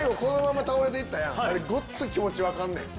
あれごっつ気持ち分かんねん。